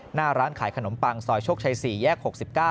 หน้าร้านขายขนมปังซอยโชคชัย๔แยก๖๙